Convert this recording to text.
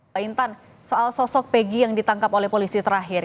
pak intan soal sosok pegi yang ditangkap oleh polisi terakhir